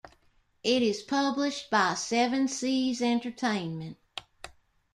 It is published by Seven Seas Entertainment.